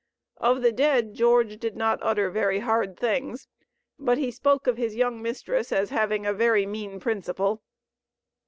Of the dead, George did not utter very hard things, but he spoke of his young mistress as having a "very mean principle."